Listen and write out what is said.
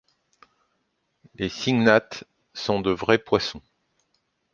Les syngnathes sont de vrais poissons.